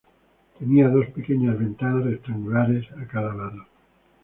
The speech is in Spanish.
Tenía dos pequeñas ventanas rectangulares a cada lado.